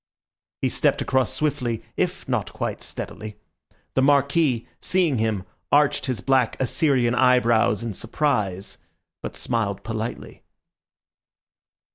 He stepped across swiftly, if not quite steadily. The Marquis, seeing him, arched his black Assyrian eyebrows in surprise, but smiled politely.